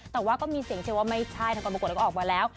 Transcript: แต่ว่าก็มีเสียงเชียร์ว่าไม่ใช่ทางกรปรากฏแล้วก็ออกมาแล้ว